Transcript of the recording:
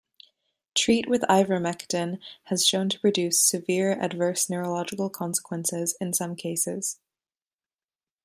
Treat with ivermectin has shown to produce severe adverse neurological consequences in some cases.